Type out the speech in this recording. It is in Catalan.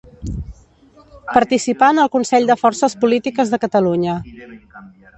Participà en el Consell de Forces Polítiques de Catalunya.